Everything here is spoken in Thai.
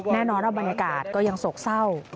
แน่นอนระบัญกาศก็ยังโศกเศร้า